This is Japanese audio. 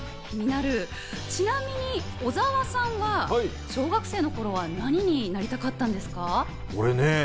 ちなみに小澤さんは小学生の頃は何になりたかったですか？